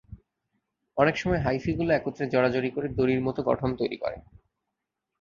অনেক সময় হাইফিগুলো একত্রে জড়াজড়ি করে দড়ির মতো গঠন তৈরি করে।